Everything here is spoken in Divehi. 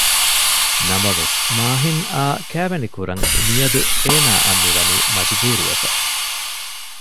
ނަމަވެސް މާހިން އާ ކައިވެނިކުރަން މިޔަދު އޭނާއަށް މި ވަނީ މަޖުބޫރުވެފަ